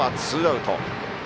ツーアウト。